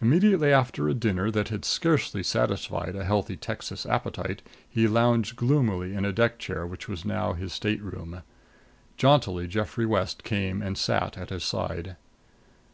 Immediately after a dinner that had scarcely satisfied a healthy Texas appetite he lounged gloomily in the deck chair which was now his stateroom. Jauntily Geoffrey West came and sat at his side.